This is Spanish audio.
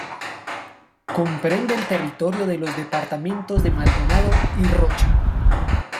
Comprende el territorio de los Departamentos de Maldonado y Rocha.